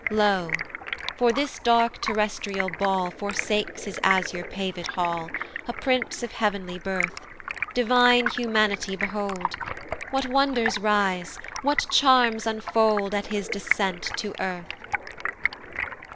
LO! for this dark terrestrial ball Forsakes his azure paved hall A prince of heav'nly birth! Divine Humanity behold, What wonders rise, what charms unfold At his descent to earth!